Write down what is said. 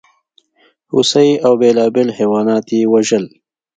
هوسۍ او بېلابېل حیوانات یې وژل.